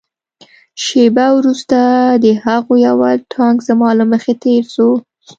شېبه وروسته د هغوى اول ټانک زما له مخې تېر سو.